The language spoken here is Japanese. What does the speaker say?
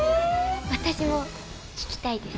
私も聴きたいです。